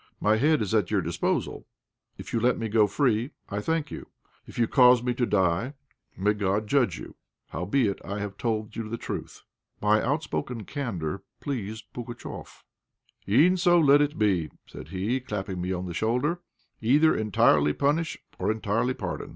My head is at your disposal; if you let me go free, I thank you; if you cause me to die, may God judge you. Howbeit, I have told you the truth." My outspoken candour pleased Pugatchéf. "E'en so let it be," said he, clapping me on the shoulder; "either entirely punish or entirely pardon.